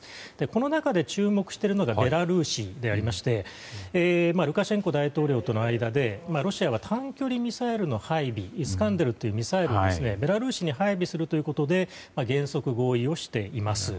この中で注目はベラルーシでルカシェンコ大統領との間でロシアは短距離ミサイルの配備イスカンダルっていうミサイルをベラルーシに配備することで原則合意をしています。